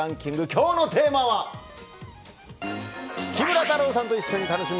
今日のテーマは木村太郎さんと一緒に楽しむ！